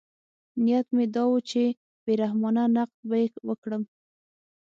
نیت مې دا و چې بې رحمانه نقد به یې وکړم.